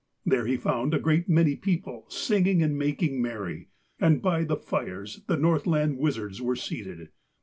There he found a great many people singing and making merry, and by the fires the Northland wizards were seated.